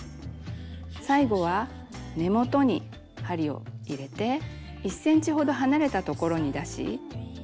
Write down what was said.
最後は根元に針を入れて１ｃｍほど離れたところに出し